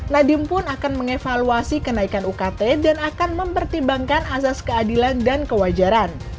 nadiem pun akan mengevaluasi kenaikan ukt dan akan mempertimbangkan asas keadilan dan kewajaran